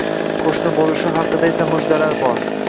qo'shni bo'lishi haqida esa mujdalar bor.